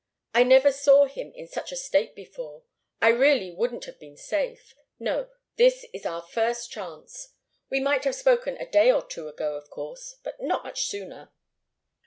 I never saw him in such a state before. It really wouldn't have been safe. No this is our first chance. We might have spoken a day or two ago, of course, but not much sooner."